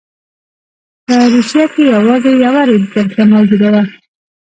په روسیه کې یوازې یوه رېل کرښه موجوده وه.